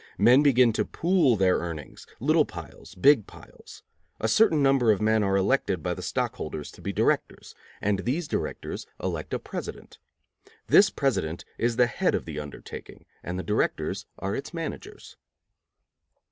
Men begin to pool their earnings, little piles, big piles. A certain number of men are elected by the stockholders to be directors, and these directors elect a president. This president is the head of the undertaking, and the directors are its managers.